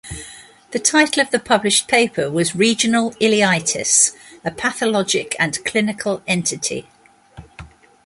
The title of the published paper was "Regional Ileitis: A Pathologic and Clinical Entity".